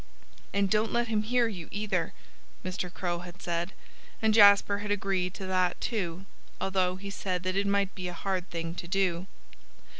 "And don't let him hear you, either," Mr. Crow had said. And Jasper had agreed to that, too, although he said that it might be a hard thing to do.